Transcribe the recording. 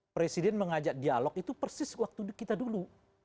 presiden mengajak dialog itu persis waktu kita dulu